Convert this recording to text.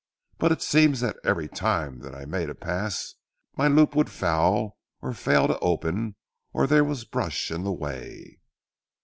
But it seems that every time that I made a pass, my loop would foul or fail to open or there was brush in the way."